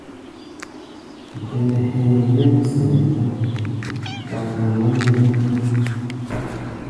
Gɛnɛ hɛ̧ɛ̧ nyɛ́m sɛnɛ ná, wa nyɔŋáʼm nyɛ́mná.